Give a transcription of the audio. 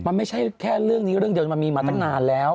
มันไม่ใช่แค่เรื่องนี้เรื่องเดียวมันมีมาตั้งนานแล้ว